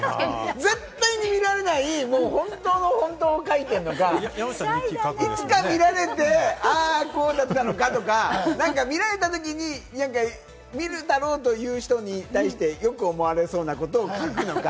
絶対に見られない本当の本当を書いてるのか、いつか見られて、こうだったのかとか、見られた時に見るだろうという人に対して、良く思われそうなことを書くのか。